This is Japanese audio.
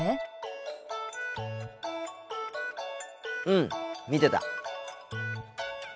うん見てた。